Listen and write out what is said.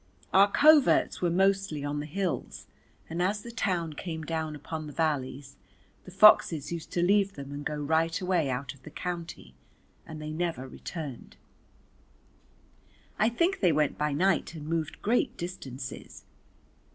Our coverts were mostly on the hills, and as the town came down upon the valleys the foxes used to leave them and go right away out of the county and they never returned. I think they went by night and moved great distances.